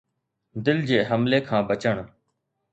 دل جي حملي کان بچڻ